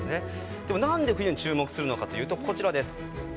でも何で冬に注目するのかというとこちらです。